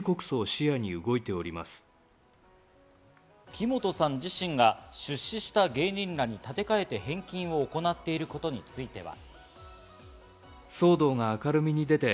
木本さん自身が出資した芸人らに立て替えて返金を行っていることについては。